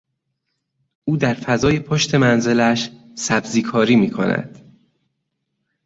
او در فضای پشت منزلش سبزی کاری میکند.